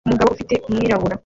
Umugabo ufite umwirabura